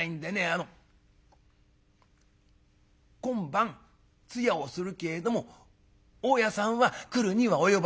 あの今晩通夜をするけれども大家さんは来るには及ばない」。